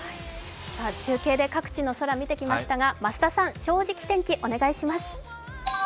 中継で各地の空、見てきましたが、増田さん、「正直天気」お願いします。